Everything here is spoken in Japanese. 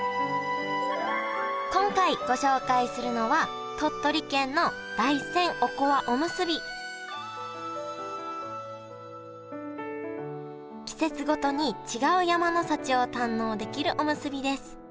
今回ご紹介するのは季節ごとに違う山の幸を堪能できるおむすびです。